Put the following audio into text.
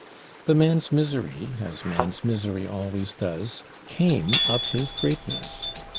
The man's misery, as man's misery always does, came of his greatness.